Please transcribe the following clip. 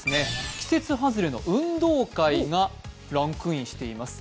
季節外れの運動会がランクインしています。